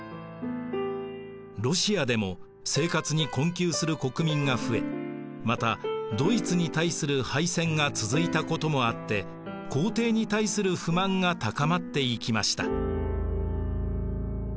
ロシアでも生活に困窮する国民が増えまたドイツに対する敗戦が続いたこともあって皇帝に対する不満が高まっていきました。